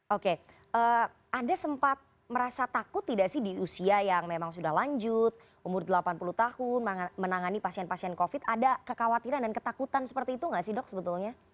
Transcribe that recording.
oke anda sempat merasa takut tidak sih di usia yang memang sudah lanjut umur delapan puluh tahun menangani pasien pasien covid ada kekhawatiran dan ketakutan seperti itu nggak sih dok sebetulnya